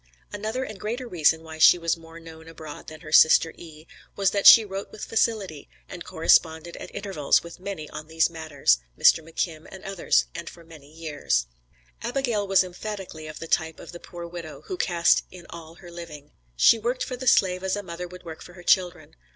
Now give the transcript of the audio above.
"Another and greater reason why she was more known abroad than her sister E., was that she wrote with facility, and corresponded at intervals with many on these matters, Mr. McKim and others, and for many years." Abigail was emphatically of the type of the poor widow, who cast in all her living. She worked for the slave as a mother would work for her children.